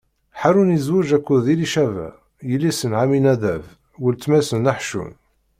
Haṛun izweǧ akked Ilicaba, yelli-s n Ɛaminadab, weltma-s n Naḥcun.